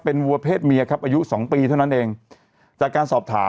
เป็นวัวเพศเมียครับอายุสองปีเท่านั้นเองจากการสอบถาม